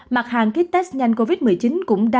mặt hàng kit test nhanh covid một mươi chín